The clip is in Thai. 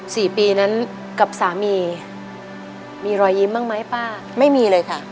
สี่ปีนั้นกับสามีมีรอยยิ้มบ้างไหมป้าไม่มีเลยค่ะ